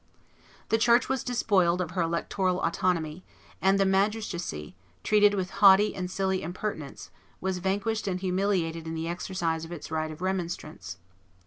The church was despoiled of her electoral autonomy; and the magistracy, treated with haughty and silly impertinence, was vanquished and humiliated in the exercise of its right of remonstrance.